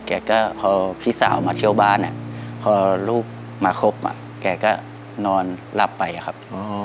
แกก็พอพี่สาวมาเที่ยวบ้านพอลูกมาครบแกก็นอนหลับไปอะครับ